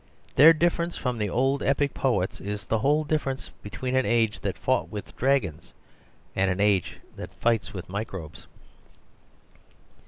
Their difference from the old epic poets is the whole difference between an age that fought with dragons and an age that fights with microbes.